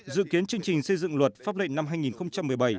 dự kiến chương trình xây dựng luật pháp lệnh năm hai nghìn một mươi bảy